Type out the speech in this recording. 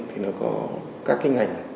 thì nó có các cái ngành